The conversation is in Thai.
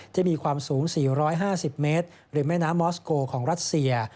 ที่มีความสูง๔๕๐เมตรหรือแม่น้ำมอสโกของรัสเซีย